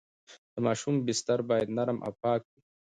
د ماشوم بستر باید نرم او پاک وي۔